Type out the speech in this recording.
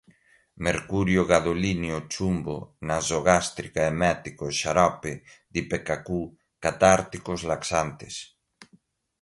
mercúrio, gadolínio, chumbo, nasogástrica, eméticos, xarope de Ipecacu, catárticos, laxantes